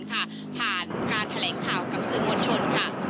ผ่านการแถลงข่าวกับสื่อมวลชนค่ะ